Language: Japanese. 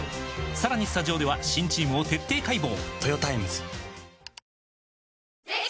さらにスタジオでは新チームを徹底解剖！